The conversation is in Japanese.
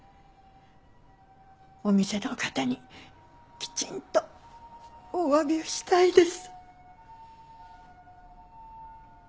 お店の方にきちんとおわびをしたいです。